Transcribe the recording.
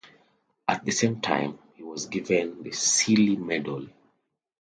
At the same time, he was given the Seeley Medal.